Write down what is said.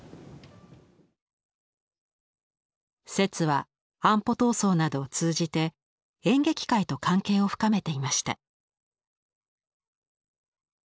摂は安保闘争などを通じて演劇界と関係を深めていました。